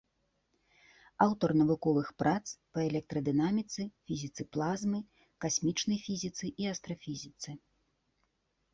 Аўтар навуковых прац па электрадынаміцы, фізіцы плазмы, касмічнай фізіцы і астрафізіцы.